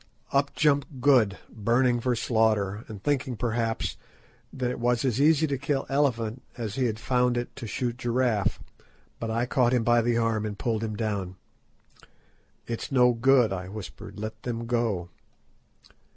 Up jumped Good, burning for slaughter, and thinking, perhaps, that it was as easy to kill elephant as he had found it to shoot giraffe, but I caught him by the arm and pulled him down. "It's no good," I whispered, "let them go."